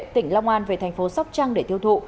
tỉnh long an về thành phố sóc trăng để tiêu thụ